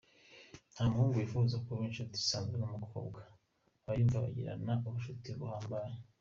Nta muhungu wifuza kuba inshuti isanzwe n’umukobwa abayumva bagirana ubucuti buhambaye.